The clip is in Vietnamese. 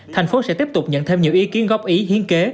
thành phố sẽ tiếp tục nhận thêm nhiều ý kiến góp ý hiến kế